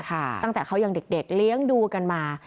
ตั้งแต่เขายังเด็กเลี้ยงดูกันมา